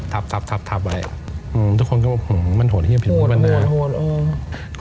ทุกคนก็ผมว่ามันโถนเหี้ยมาพิษอยู่บ้าง